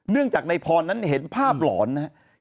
เนื่องจากในพรนั้นเห็นภาพหลอนนะครับ